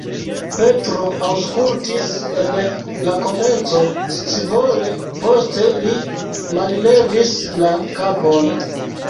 Petro aŭskultis en la komenco scivole, poste li mallevis la kapon.